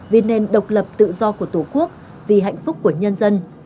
vì nền độc lập tự do của tổ quốc vì hạnh phúc của nhân dân